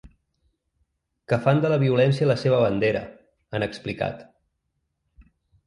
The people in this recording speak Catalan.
Que fan de la violència la seva bandera, han explicat.